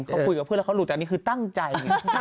เขาพูดกับพื้นแล้วเขาหลุดจากนี่คือตั้งใจ